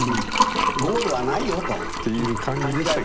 ゴールはないよと。っていう感じでしたけどね。